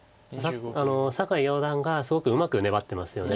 酒井四段がすごくうまく粘ってますよね。